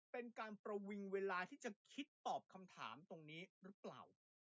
เป็นการประวิงเวลาที่จะคิดตอบคำถามตรงนี้หรือเปล่า